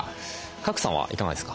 賀来さんはいかがですか？